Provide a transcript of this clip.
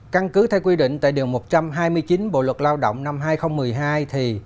căn cứ theo quy định tại điều một trăm hai mươi chín bộ luật lao động năm hai nghìn một mươi hai thì